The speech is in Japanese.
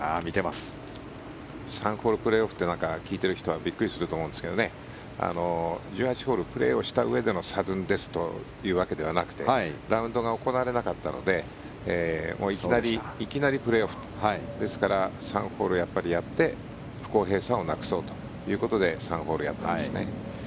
３ホールプレーオフって聞いている人はびっくりすると思うんですけど１８ホールプレーをしたうえでのサドンデスというわけではなくてラウンドが行われなかったのでいきなりプレーオフ。ですから、３ホールやって不公平さをなくそうということで３ホールやったんですね。